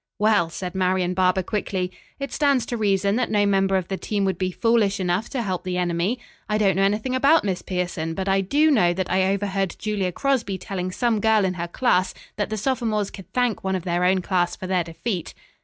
"Well," said Marian Barber quickly, "it stands to reason that no member of the team would be foolish enough to help the enemy. I don't know anything about Miss Pierson, but I do know that I overheard Julia Crosby telling some girl in her class that the sophomores could thank one of their own class for their defeat."